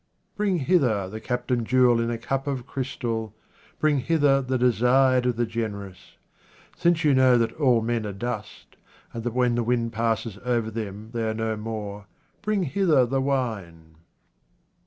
Bring hither the captain jewel in a cup of crystal, bring hither the desired of the generous. Since you know that all men are dust, and that when the wind passes over them they are no more, bring hither the wine.